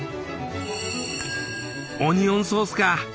オニオンソースか。